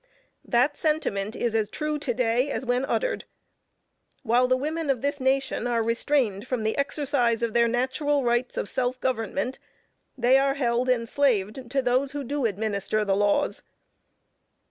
That sentiment is as true to day as when uttered. While the women of this nation are restrained from the exercise of their natural rights of self government, they are held enslaved to those who do administer the laws.